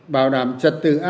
bảo đảm trật từ an ninh quốc gia